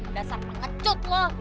udah sampai kecut lo